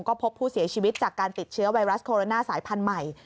ก็พบผู้เสียชีวิตจากการติดเชื้อไวรัสโคโรนาสายพันธุ์ใหม่